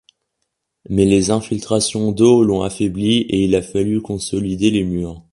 Mais les infiltrations d'eau l'ont affaiblie et il a fallu consolider les murs.